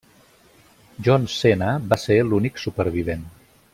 John Cena va ser l'únic supervivent.